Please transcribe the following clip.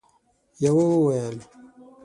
يوه وويل: